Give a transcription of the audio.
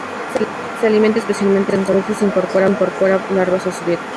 Se alimenta especialmente de semillas aunque a veces incorpora larvas a su dieta.